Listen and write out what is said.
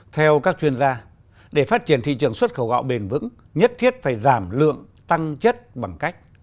theo các chuyên gia để phát triển thị trường xuất khẩu gạo bền vững nhất thiết phải giảm lượng tăng chất bằng cách